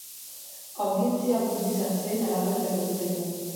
Audientzia-buru izan zen, halaber, bere ordutegian.